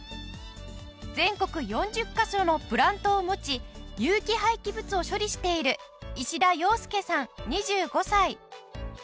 全国４０カ所のプラントを持ち有機廃棄物を処理している石田陽佑さん２５歳。